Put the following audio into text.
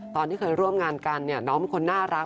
ตอนที่เคยร่วมงานกันน้องคือคนน่ารัก